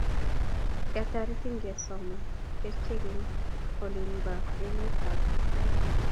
Kiataretin kesoman kerchek eng olipa emet ab chumbek